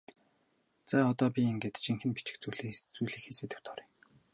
За одоо би ингээд жинхэнэ бичих зүйлийнхээ сэдэвт оръё.